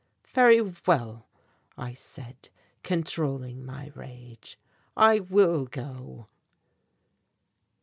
"Very well," I said, controlling my rage, "I will go."